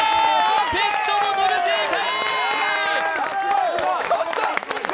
ペットボトル正解！